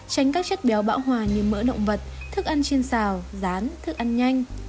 tránh các chất béo bão hòa như mỡ động vật thức ăn trên xào rán thức ăn nhanh